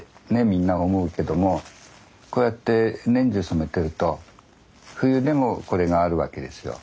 みんな思うけどもこうやって年中染めてると冬でもこれがあるわけですよ。